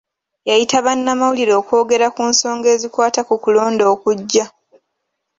Yayita bannamawulire okwogera ku nsonga ezikwata ku kulonda okujja.